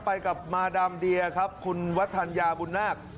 ไปกับมาดามเดียครับคุณวัฒนยาบุญนาค